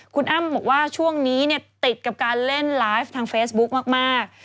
คุณอ้ำบอกว่าช่วงนี้ติดกับการเล่นไลฟ์ทางเฟซบุ๊คมาก